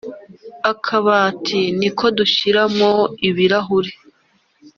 akabati niko dushyirahomo ibirahure